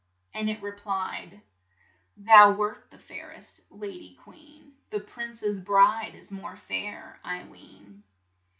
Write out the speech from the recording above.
and it re plied : "Thou wert the fair est, la dy queen; The prin ce's bride is more fair, I ween."